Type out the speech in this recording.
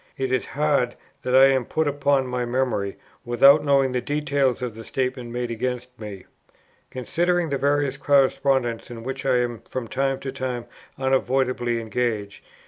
It is hard that I am put upon my memory, without knowing the details of the statement made against me, considering the various correspondence in which I am from time to time unavoidably engaged....